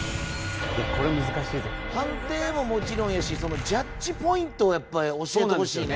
これ難しいぞ判定ももちろんやしそのジャッジポイントをやっぱ教えてほしいね